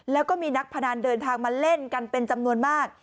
แล้วก็มีนักพนันเดินทางมาเล่นกันเป็นจำนวนมาก